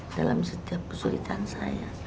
dalam setiap kesulitan saya